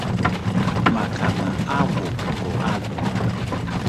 maka na agwụ bụ agwụ